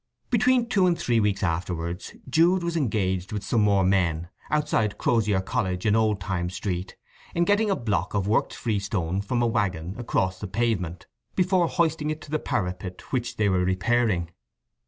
Between two and three weeks afterwards Jude was engaged with some more men, outside Crozier College in Old time Street, in getting a block of worked freestone from a waggon across the pavement, before hoisting it to the parapet which they were repairing.